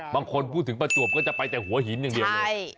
บางคนพูดถึงประจวบก็จะไปแต่หัวหินอย่างเดียวเลย